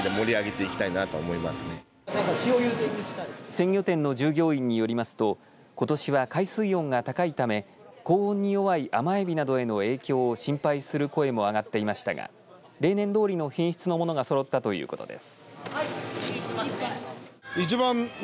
鮮魚店の従業員によりますとことしは海水温が高いため高温に弱い甘エビなどへの影響を心配する声も上がっていましたが例年どおりの品質のものがそろったということです。